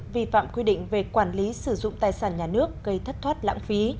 vi phạm quy định về quản lý sử dụng tài sản nhà nước gây thất thoát lãng phí